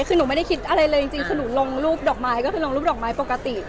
คือหนูไม่ได้คิดอะไรเลยจริงคือหนูลงรูปดอกไม้ก็คือลงรูปดอกไม้ปกติ